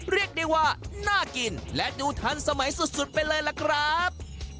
เรียกได้ว่าน่ากินและดูทันสมัยสุดไปเลยล่ะครับ